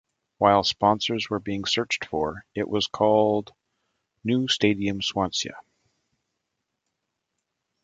While sponsors were being searched for, it was called "New Stadium Swansea".